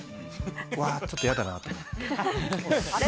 うわ、ちょっとやだなぁと思って。